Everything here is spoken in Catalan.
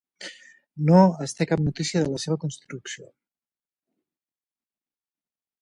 No es té cap notícia de la seva construcció.